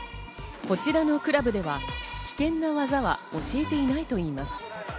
こちらのクラブでは危険な技は教えていないといいます。